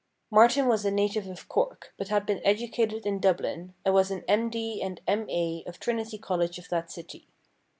Martin was a native of Cork, but had been educated in Dublin, and was an M.D. and M.A. of Trinity College of that city.